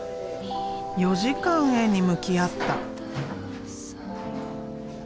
４時間絵に向き合った。